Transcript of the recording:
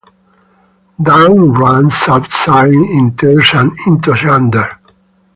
Dawn runs outside in tears and into Xander.